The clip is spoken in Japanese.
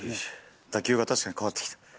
打球が確かに変わってきた。